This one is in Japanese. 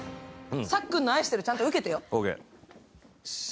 さっくんの愛してる、ちゃんと受けてよ。